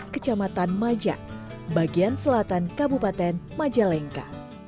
kecamatan majak bagian selatan kabupaten majalengka